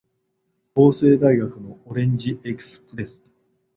法政大学のオレンジエクスプレス